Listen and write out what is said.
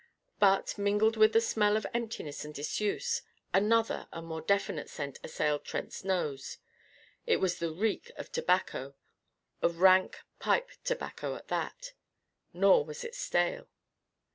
But, mingled with the smell of emptiness and disuse, another and more definite scent assailed Trent's nose. It was the reek of tobacco of rank pipe tobacco, at that. Nor was it stale.